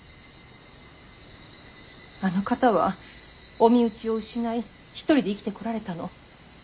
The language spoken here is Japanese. あの方はお身内を失い一人で生きてこられたの。